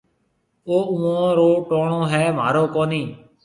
اَي اوون رو ٽوڻو هيَ مهارو ڪونَي